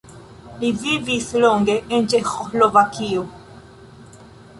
Li vivis longe en Ĉeĥoslovakio.